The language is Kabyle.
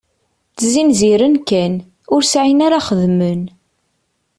Ttzinziren kan, ur sεin ara xedmen.